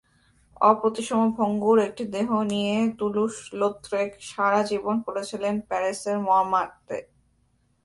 অপ্রতিসম ভঙ্গুর একটি দেহ নিয়ে তুলুস লোত্রেক সারা জীবন পড়েছিলেন প্যারিসের মঁমার্তে।